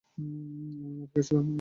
আমি মদ খেয়েছিলাম।